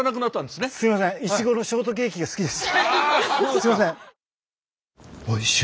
すいません。